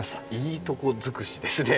いいとこ尽くしですね。